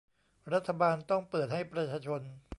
รัฐบาลต้องเปิดให้ประชาชนมีส่วนร่วมในการทำนโยบาย